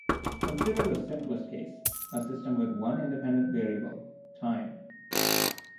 Consider the simplest case, a system with one independent variable, time.